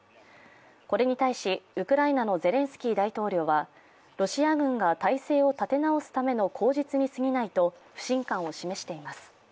これに対しウクライナのゼレンスキー大統領はロシア軍が態勢を立て直すための口実にすぎないと不信感を示しています。